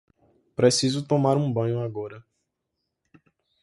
Preciso tomar um banho agora.